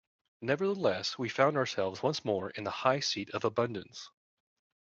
Nevertheless we found ourselves once more in the high seat of abundance.